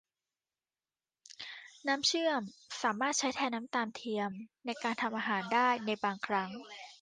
น้ำเชื่อมสามารถใช้แทนน้ำตาลเทียมในการทำอาหารได้ในบางครั้ง